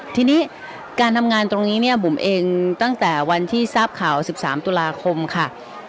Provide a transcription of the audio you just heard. ทีนี้การทำงานตรงนี้เนี่ยบุ๋มเองตั้งแต่วันที่ทราบข่าว๑๓ตุลาคมค่ะ